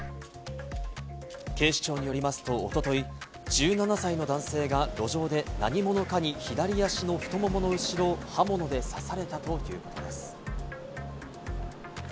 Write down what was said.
警視庁によりますと、おととい、１７歳の男性が路上で何者かに左足の太ももの後ろを刃物で刺されたということです。